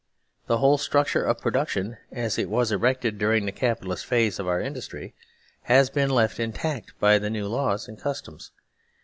The whole structure of production as it was erected during the Capitalist phase of our in dustry has been left intact by the new laws and cus toms.